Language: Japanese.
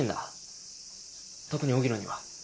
特に荻野には。